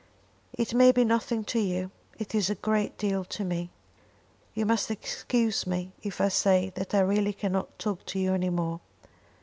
"It may be nothing to you. It is a great deal to me. You must excuse me if I say that I really cannot talk to you any more."